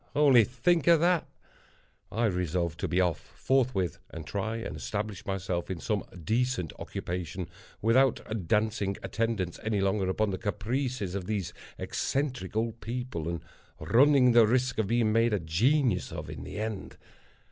—only think of that! I resolved to be off forthwith, and try and establish myself in some decent occupation, without dancing attendance any longer upon the caprices of these eccentric old people, and running the risk of being made a genius of in the end.